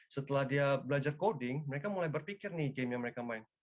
setelah dia belajar coding mereka mulai berpikir nih game yang mereka main